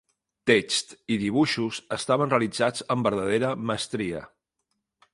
Text i dibuixos estaven realitzats amb verdadera mestria.